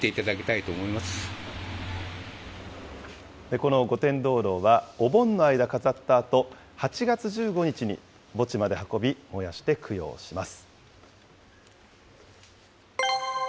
この御殿灯籠はお盆の間飾ったあと、８月１５日に墓地まで運び、燃やして供養します。